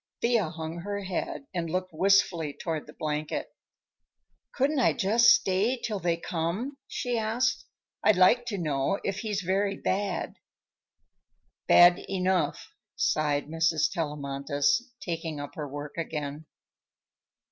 Thea hung her head and looked wistfully toward the blanket. "Couldn't I just stay till they come?" she asked. "I'd like to know if he's very bad." "Bad enough," sighed Mrs. Tellamantez, taking up her work again.